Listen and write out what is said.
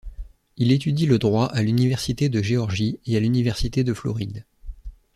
Il étudie le droit à l'université de Géorgie et à l'université de Floride.